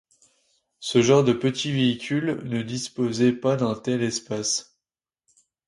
Ce genre de petits véhicules ne disposait pas d'un tel espace.